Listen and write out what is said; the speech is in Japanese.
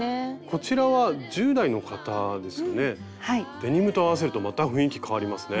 デニムと合わせるとまた雰囲気変わりますね。